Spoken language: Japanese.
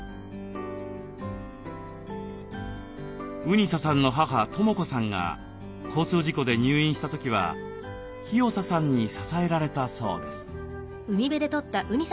うにささんの母・知子さんが交通事故で入院した時はひよささんに支えられたそうです。